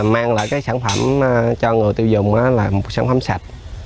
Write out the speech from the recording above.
mang lại cái sản phẩm cho người tiêu dùng là một sản phẩm sạch